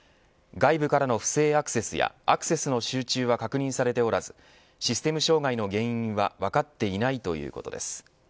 外部からの不正アクセスやアクセスへの集中は確認されておらずシステム障害の原因は分かっていないということです。